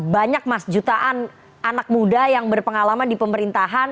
banyak mas jutaan anak muda yang berpengalaman di pemerintahan